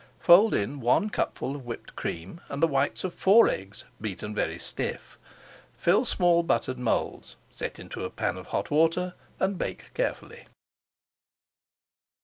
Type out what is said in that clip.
Fold in one cupful of whipped cream and the whites of four eggs beaten very stiff. Fill small buttered moulds, set into a pan of hot water, and bake carefully.